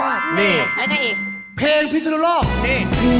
ไหนตั้งอีกเพลงพริกชุนุโร่งนี่